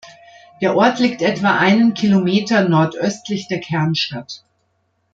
Der Ort liegt etwa einen Kilometer nordöstlich der Kernstadt.